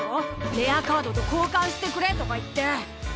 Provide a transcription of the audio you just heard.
「レアカードとこうかんしてくれ」とか言って。